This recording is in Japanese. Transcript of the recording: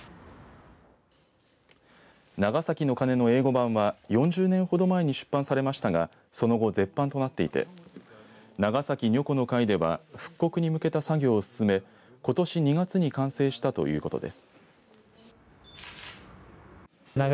長崎の鐘の英語版は４０年ほど前に出版されましたがその後、絶版となっていて長崎如己の会では復刻に向けた作業を進めことし２月に完成したということです。